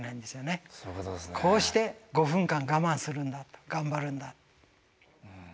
こうして５分間我慢するんだと頑張るんだ。